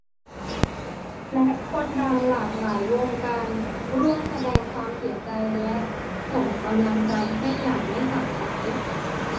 และคนดังหลากหลายวงการร่วมแสดงความเสียใจและส่งกำลังใจให้อย่างไม่ขาดสาย